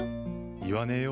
言わねえよ